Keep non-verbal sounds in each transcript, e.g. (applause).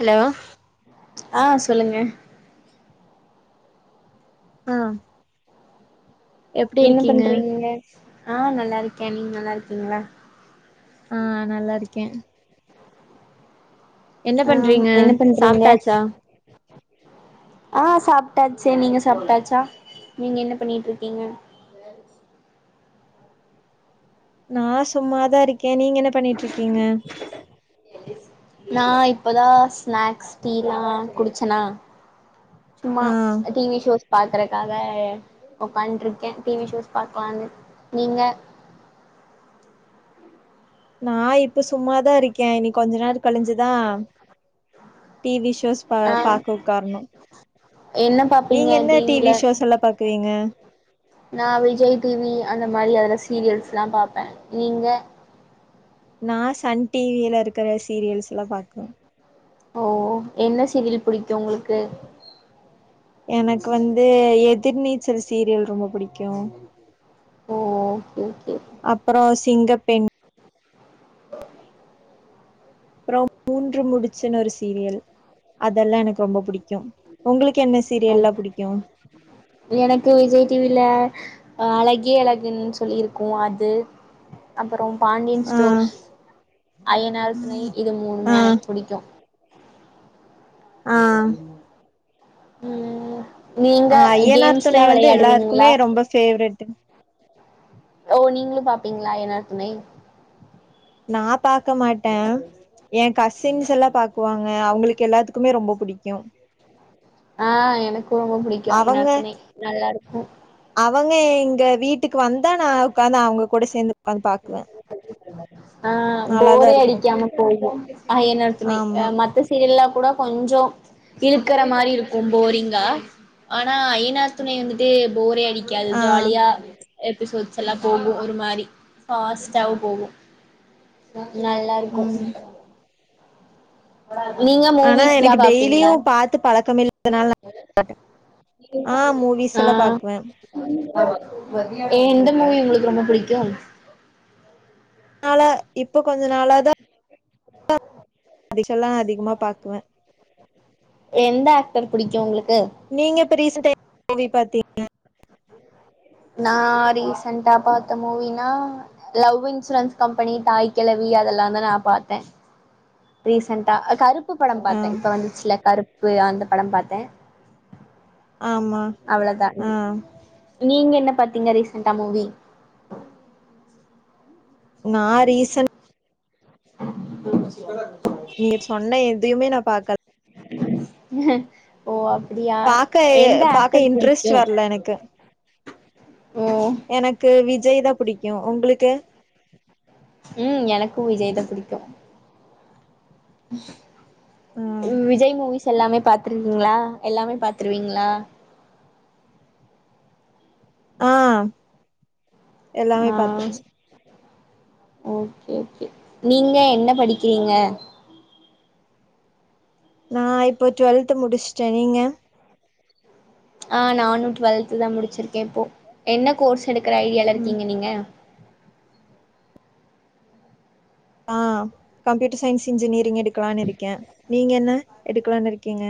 Hello ஆ சொல்லுங்க ஆ எப்டி என்ன இருக்கீங்க பண்றீங்க ஆ நல்லா இருக்கே நீங்க நல்லா இருக்கிங்ளா ஆ நல்லா இருக்கே என்ன ஆ பண்றீங்க என்ன பண்றீங்க சாப்டாச்சா ஆ சாப்டாச்சு நீங்க சாப்டாச்சா நீங்க என்ன பண்ணிட்ருக்கிங்க நா சும்மாதா இருக்கே நீங்க என்ன பண்ணிட்ருக்கீங்க (unintelligible) நா இப்பதா ஸ்நேக்ஸ் டீலா குடிச்சனா சும்மா ஆ டி வி ஷோஸ் பாக்குறக் காக ஒக்காண்ருக்கே டி வி ஷோஸ் பாக்கலானு நீங்க நா இப்ப சும்மாதா இருக்கே இனி கொஞ்ச நேரொ கழிஞ்சுதா டி வி ஷோஸ் பா பாக்க உக்காரணூ என்னப் நீங்க என்ன டி வி ஷோஸ் எல்லா பாக்குவீங்க நா விஜய் டி வி அந்த மாரி அதுல சீரியல்ஸ்லா பாப்பே நீங்க நா சன் டி வி யில இருக்குற சீரியல்ஸ் எல்லா பாக்குவே ஓ என்ன சீரியல் பிடிக்கு உங்களுக்கு எனக்கு வந்த எதிர்நீச்சல் சீரியல் ரொம்ப புடிக்கூ ஓ ஓகே ஓகே அப்பறோ சிங்கப்பெண் (inaudible) அப்றோ மூன்று முடிச்சுனு ஒரு சீரியல் அதெல்லா எனக்கு ரொம்ப புடிக்கூ உங்களுக்கு என்னஸ் ஆ எனக்கு விஜய் டி வி ல அ அழகே அழகுன் சொல்லியிருக்கூ அது அப்பறோ பாண்டியன் ஆ ஸ்டோர்ஸ் ஐய்யனார் துணை இது ஆ மூணுமே எனக்கு புடிக்கூ ஆ ம் நீங்க அ ஐய்யனார் கேம்ஸ்லா துணை வந்து எல்லாருக்குமே வெளையாடுவீங்களா ரொம்ப ஃபேவரெட்டு ஓ நீங்ளூ பாப்பிங்ளா ஐய்யனார் துணை நா பாக்க மாட்டே ஏ கசின்ஸ் எல்லா பாக்குவாங்க அவுங்களுக்கு எல்லாத்துக்குமே ரொம்ப புடிக்கூ ஆ எனக்கு ரொம்ப புடிக்கு அவங்க ஐயனார் துணை நல்லா இருக்கூ அவங்க எங்க வீட்டுக்கு வந்தா நா உக்காந்து அவங்க கூட சேந்து உக்காந்து பாக்குவே ஆ நல்லாதா போரே இருக்கு அடிக்காம போகு ஐயனார் துணை அ ஆமா மத்தஸ் சீரியல்லா கூட கொஞ்சொ இழுக்குற மாரி இருக்கு போரிங்கா ஆனா ஐயனார் துணை வந்துட்டு போரே அடிக்காது ஆ ஜாலியா எபிசோட்ஸ் எல்லா போகு ஒரு மாரி ஃபாஸ் டாவு போகு நல்லாருக்கூ ம் நீங்க ஆனா மூவிஸ்லா எனக்கு டெய்லியு பாப்பிங்ளா பாத்து பழக்கம் இல்லாதனால ஆ மூவிஸ் ஆ எல்லா பாக்குவே எ எந்த மூவி உங்களுக்கு ரொம்ப புடிக்கு அதனால இப்ப கொஞ்ச நாள தா அதுகெல்லாம் அதி எந்த ஆக்டர் பிடிக்கு உங்களுக்கு நீங்கிப்ப ரீசன் டைம் ல என்ன மூவி பாத்தீங் நா ரீசன்ட்டா பாத்த மூவினா லவ் இன்சூரன்ஸ் கம்பெனி தாய் கிழவி அதெலாம் தா நா பாத்தே ரீசன்டா கருப்பு படம் ஆ பாத்தே இப்போ வந்துச்சுல கருப்பு அந்த படம் பாத்தே ஆமா அவ்ளோதா ஆ நீங்க என்ன பாத்தீங்க ரீசன்டா மூவி நா ரீசன் (unintelligible) நீ சொன்ன எதையமே நான் பாக்க ஓ அப்டியா பாக்க எந்த பாக்க ஆக்டர் இன்ட்ரெஸ்ட் புடிக்கு வரல எனக்கு ஓ எனக்கு விஜய் தா புடிக்கும் உங்களுக்கு ம் எனக்கும் விஜய் த புடிக்கு ம் விஜய் மூவிஸ் எல்லாமே பாத்துருக்கீங்களா எல்லாமே பாத்துருவீங்களா ஆ எல்லாமே ஆ பாத்துருங்க ஓகே ஓகே நீங்கள என்ன படிக்கிறீங்க நா இப்போ டுவெல்த் முடிச்சுட்டேன் நீங்க ஆ நானும் டுவெல்து தா முடிச்சிருக்கேன் இப்போ என்ன கோர்ஸ் எடுக்கிற ஐடியால ம் இருக்கீங்க நீங்க ஆ கம்ப்யூட்டர் சயின்ஸ் இன்ஜினியரிங் எடுக்கலான்னு இருக்கே நீங்க என்ன எடுக்கலான்னு இருக்கீங்க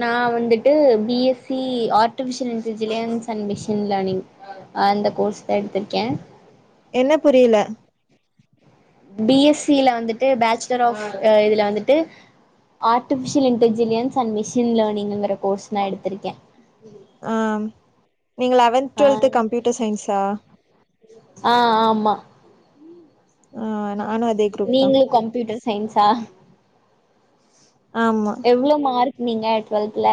நா வந்துட்டு B S C artificial intelligence and மிஷன்ல லேர்னிங் அந்த கோர்ஸ் தா எடுத்திருக்கே என்ன புரில பி எஸ் சி ல வந்துட்டு பேச்சுலர் ஆஃப் இதுல வந்துட்டு artificial intelligence and machine learning ஒரு கோர்ஸ னா எடுத்ருகேன் ஆ நீங்க லெவன்த் ஆ டுவெல்து கம்ப்யூட்டர் சயின்ஸா ஆ ஆமா ஆ நானு அத் நீங்களு கம்ப்யூட்டர் சயின்ஸா ஆமா எவ்ளோ மார்க் நீங்க ட்டுவெல்த்ல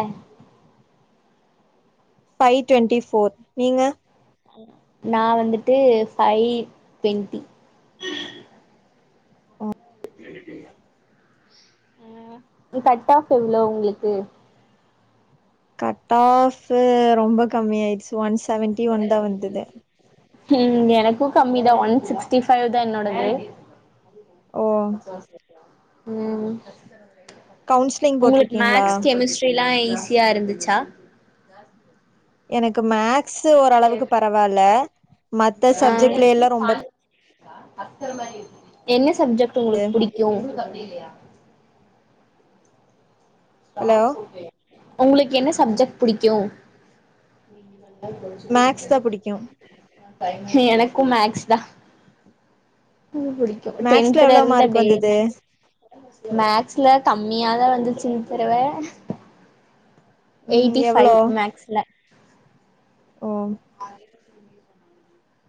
ஃபைவ் ட்வெண்ட்டி ஃபோர் நீங்க நா வந்துட்டு ஃபைவ் ட்வெண்ட்டி கட் ஆஃப் எவ்ளோ உங்களுக்கு கட் ஆஃப்ஃபு ரொம்ப கம்மி ஆயிர்ச்சு ஒன் செவன்டி ஒன் தா வந்தது ம் எனக்கு கம்மி தா ஒன் சிக்ஸ்டி ஃபைவ் தா என்னோடது ஓ ம் கவுன்சிலிங் உங்களுக் போட்டிருக்கீங்களா மேக்ஸ் கெமிஸ்ட் ரிலா ஈஸியா இருந்துச்சா எனக்கு மேக்ஸ்சு ஒரளவுக்கு பரவால்ல மத்த ஆ சப்ஜெட்லிலா ரொம்ப ரொம்ப என்ன சப்ஜெட் உங்களுக் புடிக்கு ஹலோ உங்களுக் என்ன சப்ஜெட் புடிக்கு மேக்ஸ் தா புடிக்கு எனக்கு மேக்ஸ் தா புடிக் கு மேக்ஸ்ல டென்த்ல எவ்ளோ இருந்த மார்க் டே வந்தது மேக்ஸ் மேக்ஸ்ல கம்மியாதா வந்துச்சு இந்த தடவ ம் எயிட்டி எவ்ளோ ஃபைவ் மேக்ஸ்ல ஓ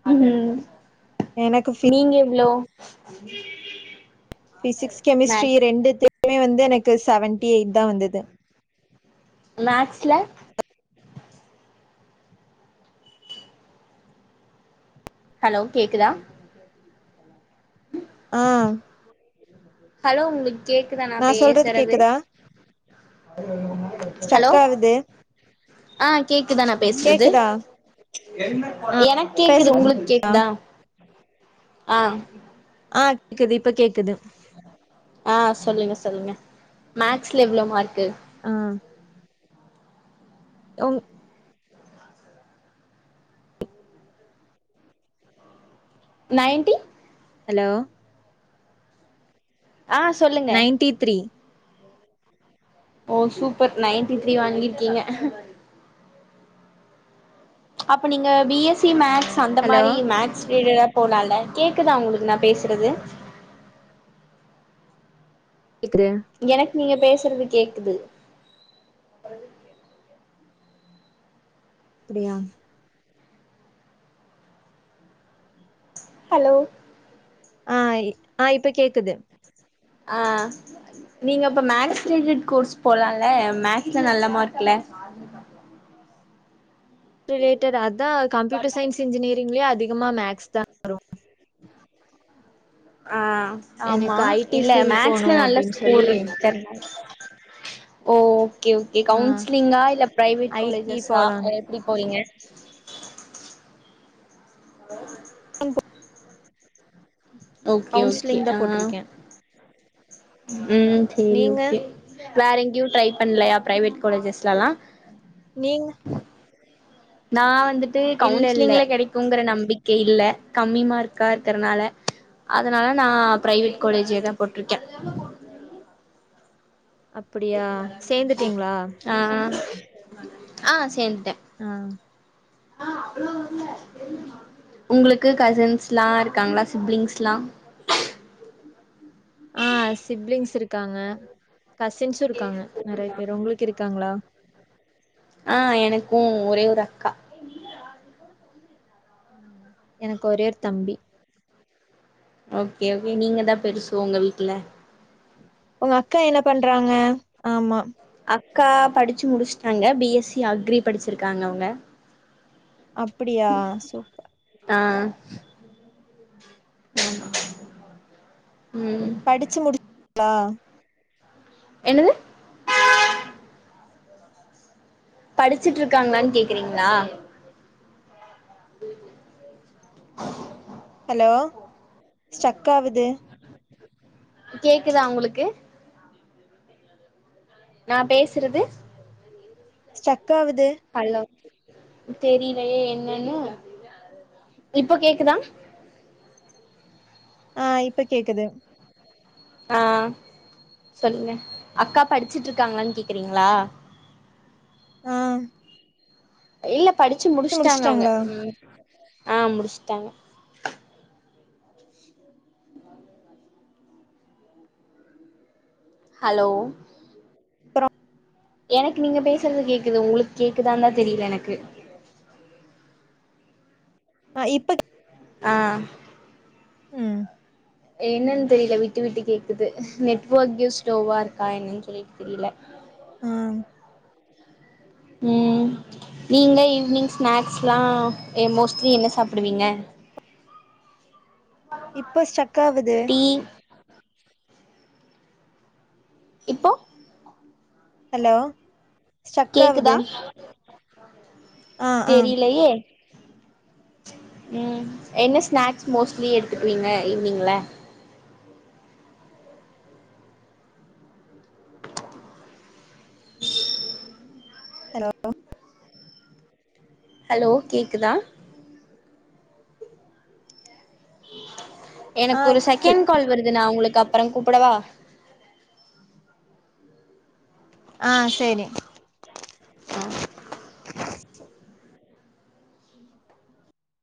ம் எனக்கு ஃபி நீங்க எவ்ளோ பிசிக்ஸ் கெமிஸ்ட்ரி மேக்ஸ் ரெண்டுத்துக்குமே வந்து எனக்கு செவன்டி எயிட்தா வந்துது மேக்ஸ்ல ஹலோ கேக்குதா ஆ ஹலோ உங்களுக் கேக்குதா நா சொல்றது பேசறது கேக்குதா ஹலோ ஸ்டக் ஆகுது ஆ கேக்குதா நா பேசுறது கேக்குதா ஆ எனக் கேக்குது பேசுறீங்களா உங்களுக் கேக்குதா ஆ ஆ குது இப்ப கேக்குது ஆ சொல்லுங்க சொல்லுங்க மேக்ஸ்ல எவ்ளோ மார்க்கு ஆ உங் நைன்டி ஹலோ ஆ சொல்லுங்க நைன்டி த்ரீ ஓ சூப்பர் நைன்டி த்ரீ வாங்கிர்க்கீங்க அப்போ நீங்க பிஎஸ்சி மேக்ஸ் அந்த ஹலோ மாரி மேக்ஸ் ரிலேடடா போலால்ல கேக்குதா உங்களுக் நா பேசுறது கேக்குது எனக் நீங்க பேசுறது கேக்குது அப்டியா ஹலோ ஆய் ஆ இப்ப கேக்குது ஆ நீங்க அப்ப மேக்ஸ் ரிஜிட் கோர்ஸ் போலால மேக்ஸ்ல நல்ல மார்க்ல்ல ரிலேட்டட் அதா கம்யூட்டர் சயின்ஸ் இன்ஜினியரிங்க்லயே அதிகமா மேக்ஸ் தா ஆ ஆமா எனக்கு ஐ டி இல்ல ஃபீல்ட் போனு மேக்ஸ்ல நல்ல அப்டின்னு ஸ்கோர் சொல்லி இருக்கு (inaudible) ஓ ஓகே ஓகே ஆ கவுன்சிலிங்கா இல்ல பிரைவேட் ஐ டி காலேஜஸா போலான் எ ப்டி போவீங்க அம்ப ஓகே ஓகே தா ஆ போட்டிருக்கே ம் சரி நீங்க ஓகே வேற எங்கயு ட்ரை பண்லயா பிரைவேட் காலேஜஸ்லலா நீங்க நா வந்துட்டு இல்ல இல்ல கவுன்சிலிங்ல கெடைக்கு இருக்குங்குற நம்பிக்க இல்ல கம்மி மார்கா இருக்றனால அதனால நா பிரைவேட் காலேஜேதா போட்ருக்க அப்டியா சேந்துட்டீங்ளா ஆ ஆ சேந்துட்ட ஆ உங்களுக்கு கசின்ஸ்லா இருக்காங்ளா சிப்லிங்ஸ்லா ஆ சிப்லிங்ஸ் இருக்காங்க கசின்ஸு இருக்காங்க நெறைய பேர் உங்களுக்கு இருக்காங்ளா ஆ எனக்கு ஒரே ஒரு அக்கா ம். எனக்கு ஒரே ஒரு தம்பி ஓகே ஓகே நீங்கதா பெருசு உங்க வீட்ல உங்க அக்கா என்ன பண்றாங்க ஆமா அக்கா படுச்சு முடுச்சுட்டாங்க பிஎஸ்சி அக்ரி படிச்சிருக்காங்க அவங்க அப்டியா சூப்பர் ஆ உம் படிச்சு முடிச் ளா என்னது படுச்சுட் இருக்காங்களான் கேக்றீங்ளா (inaudible) ஹலோ ஸ்டக் ஆவுது கேக்குதா உங்களுக்கு நான் பேசுறது ஸ்டக் ஆவுது ஹலோ தெரிலயே என்னன்னு இப்போ கேக்குதா ஆ இப்ப கேக்குது ஆ சொல்லுங்க அக்கா படுச்சுட்டு இருக்காங்களானு கேக்குறீங்களா ஆ இல்ல படுச்சு முடுச்சுட்டாங்க அவங்க முடிச்சுட்டாங்களா ம் ஆ முடிச்சுட்டாங்க ஹலோ அப்பற எனக்கு நீங்க பேசுறது கேக்குது உங்களுக்கு கேக்குதாந்தா தெரியல எனக்கு ஆ இப்ப ஆ ம் என்னன் தெரியல விட்டு விட்டு கேக்குது நெட்வர்க்கு ஸ்லோவா இருக்கா என்னன் சொல்லிட் தெரில ஆ ம் நீங்க ஈவி்னிங் ஸ்நாக்ஸ்லா அ மோஸ்ட்லி என்ன சாப்பிடுவீங்க அப் இப்ப ஸ்ட்ரக் ஆவுது இங் இப்போ ஹலோ ஸ்ட்ரக் ஆகுது ஆ தெரியலயே ம் என்ன ஸ்நாக்ஸ் மோஸ்ட்லி எடுத்துக்குவீங்க மோஸ்ட்லி ஈவினிங்ல ஹலோ ஹலோ கேக்குதா ஆ எனக்கு ஒரு செகண்ட் கால் வருது நா உங்களுக்கு அப்றம் கூப்புடவா ஆ சேரி அ